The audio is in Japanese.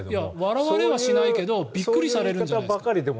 笑われはしないけどびっくりはするんじゃないですか？